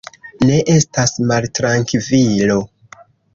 Ne estas maltrankvilo.